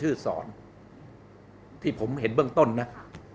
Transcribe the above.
หรือพูดคุยหรือไม่มา